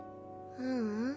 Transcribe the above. ううん。